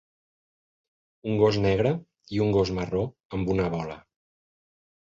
Un gos negre i un gos marró amb una bola